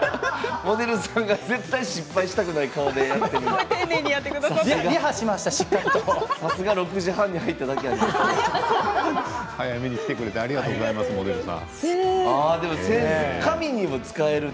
モデルさんが絶対に失敗したくない顔でやっている。